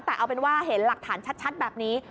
แต่เอาเป็นว่าเห็นหลักฐานชัดแบบนี้